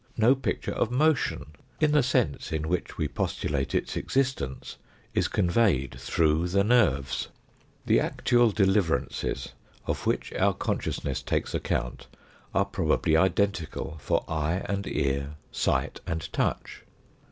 No picture of motion, in the sense in which we postulate its existence, is conveyed through the nerves. The actual APPENDIX II 259 deliverances of which our consciousness takes account are probably identical for eye and ear, sight and touch.